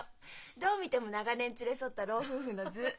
どう見ても長年連れ添った老夫婦の図。